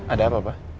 ada apa pak